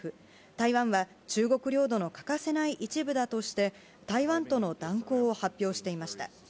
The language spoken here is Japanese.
台湾は中国領土の欠かせない一部だとして、台湾との断交を発表していました。